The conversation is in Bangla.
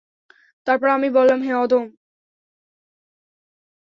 তারপর আমি বললাম, হে আদম!